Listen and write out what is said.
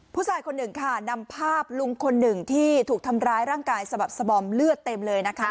ผู้ชายคนหนึ่งค่ะนำภาพลุงคนหนึ่งที่ถูกทำร้ายร่างกายสะบักสบอมเลือดเต็มเลยนะคะ